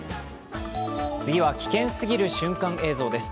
次は危険すぎる瞬間映像です。